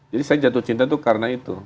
jadi saya jatuh cinta itu karena itu